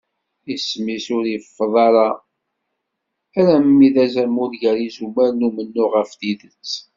Isem-is ur iseffeḍ ara imi d azamul gar yizumal n umennuɣ ɣef tidet.